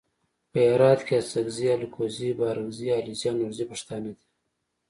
په هرات کې اڅګزي الکوزي بارګزي علیزي او نورزي پښتانه دي.